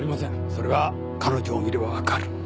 それは彼女を見れば分かる。